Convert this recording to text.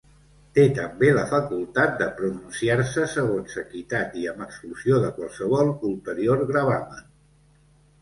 Té també la facultat de pronunciar-se segons equitat i amb exclusió de qualsevol ulterior gravamen.